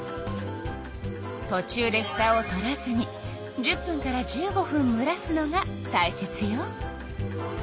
とちゅうでふたを取らずに１０分から１５分むらすのがたいせつよ。